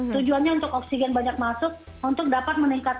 tujuannya untuk oksigen banyak masuk untuk dapat meningkatkan